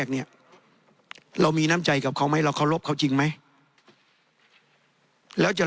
เนี่ยเรามีน้ำใจกับเขาไหมเราเคารพเขาจริงไหมแล้วจะ